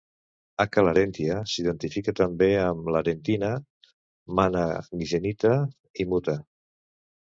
Acca Larentia s'identifica també amb Larentina, Mana Genita i Muta.